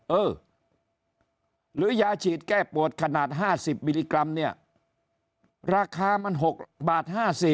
เออหรือยาฉีดแก้ปวดขนาด๕๐มิลลิกรัมเนี่ยราคามัน๖บาท๕๐บาท